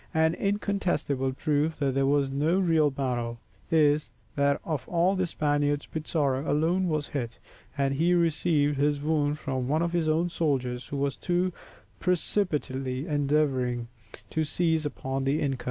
An incontestable proof that there was no real battle is, that of all the Spaniards Pizarro alone was hit, and he received his wound from one of his own soldiers who was too precipitately endeavouring to seize upon the inca.